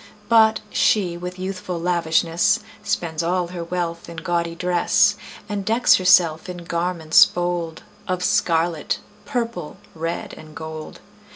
But she, with youthful lavishness, Spends all her wealth in gaudy dress, And decks herself in garments bold Of scarlet, purple, red, and gold.